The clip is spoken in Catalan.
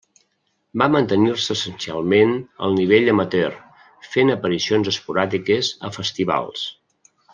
Va mantenir-se essencialment al nivell amateur, fent aparicions esporàdiques a festivals.